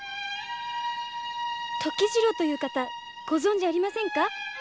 時次郎という方ご存じありませんか？